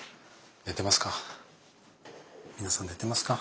寝てますか？